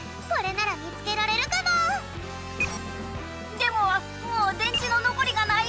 でももうでんちののこりがない。